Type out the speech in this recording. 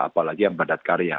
apalagi yang badat karya